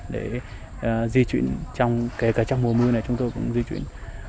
để di chuyển kể cả trong mùa mưa này chúng tôi cũng di chuyển